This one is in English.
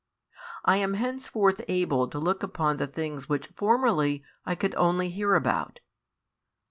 I am henceforth able to look upon the things which formerly I could only hear about.